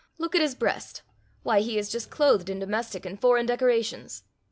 Look at his breast; why, he is just clothed in domestic and foreign decorations.